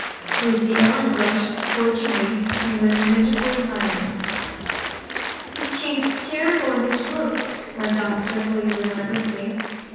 Lucy Ellen blushed scorchingly and was miserably silent. "He's changed terrible in his looks," went on Cecily relentlessly.